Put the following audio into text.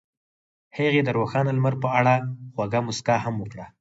هغې د روښانه لمر په اړه خوږه موسکا هم وکړه.